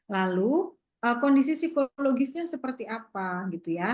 lalu kondisi psikologisnya seperti apa